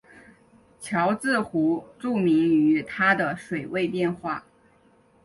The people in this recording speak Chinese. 乔治湖著名于它的水位变化。